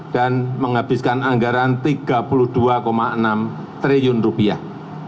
dan menghabiskan anggaran tiga puluh dua enam triliun rupiah